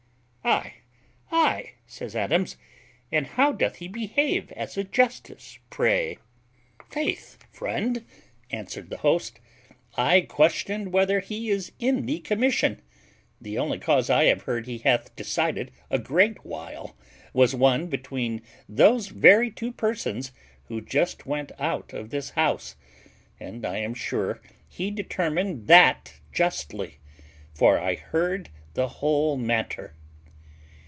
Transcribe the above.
"Aye! aye!" says Adams; "and how doth he behave as a justice, pray?" "Faith, friend," answered the host, "I question whether he is in the commission; the only cause I have heard he hath decided a great while, was one between those very two persons who just went out of this house; and I am sure he determined that justly, for I heard the whole matter."